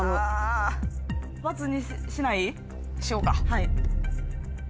はい。